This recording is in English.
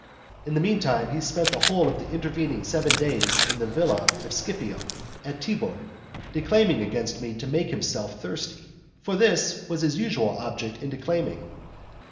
In the meantime he spent the whole of the intervening seventeen days in the villa of Scipio, at Tibur, declaiming against me to make himself thirsty. For this is his usual object in declaiming.